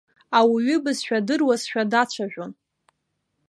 Ауаҩыбызшәа адыруазшәа дацәажәон.